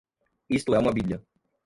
Isto é uma bíblia.